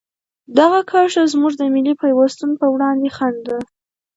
دغه کرښه زموږ د ملي پیوستون په وړاندې خنډ ده.